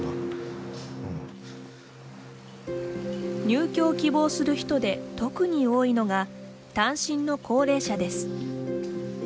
入居を希望する人で特に多いのが、単身の高齢者です。